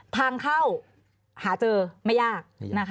ทางเข้าหาเจอไม่ยาก